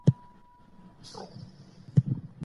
د تاريخ فلسفې له ټولنپوهنې سره مرسته وکړه.